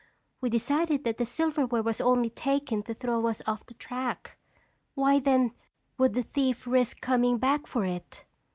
"We decided that the silverware was only taken to throw us off the track. Why then, would the thief risk coming back for it?"